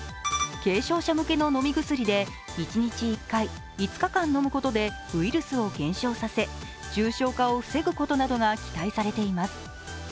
軽症者向けの飲み薬で１日１回、５日間飲むことでウイルスを減少させ、重症化を防ぐことなどが期待されています。